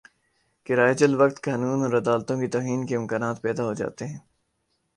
کہ رائج الوقت قانون اور عدالتوں کی توہین کے امکانات پیدا ہو جاتے ہیں